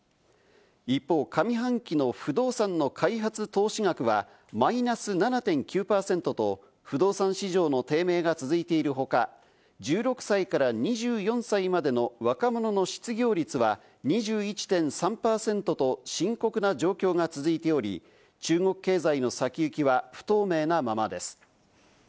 一方、上半期の不動産の開発投資額はマイナス７．９％と、不動産市場の低迷が続いている他、１６歳から２４歳までの若者の失業率は２１．３％と深刻な状況が続いており、中国経済の先行きは不透明なままです。